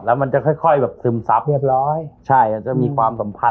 แล้วมันจะค่อยค่อยแบบซึมซับเรียบร้อยใช่มันจะมีความสัมพันธ